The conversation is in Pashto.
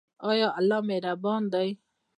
آیا الله مهربان دی؟